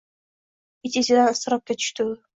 ich-ichidan iztirobga tushdi u